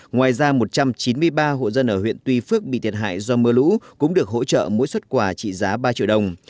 ngoài ra một trăm chín mươi ba hộ dân ở huyện tuy phước bị thiệt hại do mưa lũ cũng được hỗ trợ mỗi xuất quà trị giá ba triệu đồng